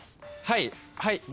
はい。